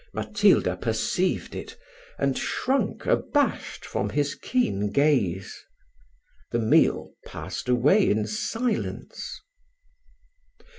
Matilda perceived it, and shrunk abashed from his keen gaze. The meal passed away in silence.